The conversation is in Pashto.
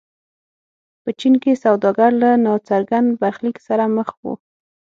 په چین کې سوداګر له ناڅرګند برخلیک سره مخ وو.